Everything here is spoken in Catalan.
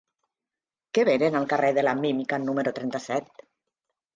Què venen al carrer de la Mímica número trenta-set?